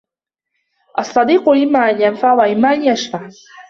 الصديق إما أن ينفع وإما أن يشفع